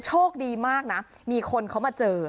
โชคดีมากนะมีคนเขามาเจอ